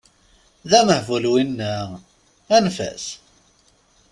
D amehbul winna, anef-as!